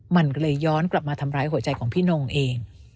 มันก็เลยย้อนกลับมาทำร้ายหัวใจของพี่นงเอง